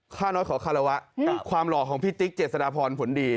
ค่าน้อยขอคารวะกับความหล่อของพี่ติ๊กเจษฎาพรผลดี